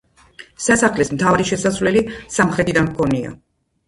სასახლეს მთავარი შესასვლელი სამხრეთიდან ჰქონია.